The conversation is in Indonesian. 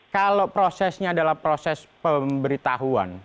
kalau prosesnya adalah proses pemberitahuan